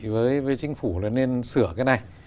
với chính phủ là nên sửa cái này